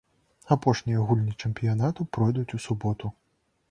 Апошнія гульні чэмпіянату пройдуць у суботу.